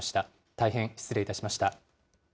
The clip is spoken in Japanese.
大変失礼いたしました。